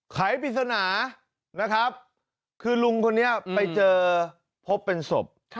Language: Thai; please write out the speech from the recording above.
ไขปริศนานะครับคือลุงคนนี้ไปเจอพบเป็นศพ